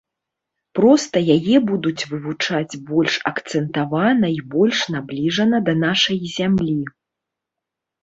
Проста яе будуць вывучаць больш акцэнтавана і больш набліжана да нашай зямлі.